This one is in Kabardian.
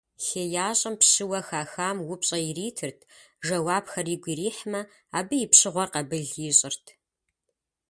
ХеящӀэм пщыуэ хахам упщӀэ иритырт, жэуапхэр игу ирихьмэ, абы и пщыгъуэр къэбыл ищӀырт.